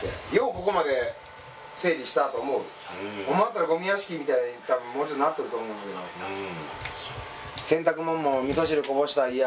ここまで整理したと思うホンマだったらゴミ屋敷みたいにもうちょっとなっとると思うんだけど洗濯もんも味噌汁こぼした言やあ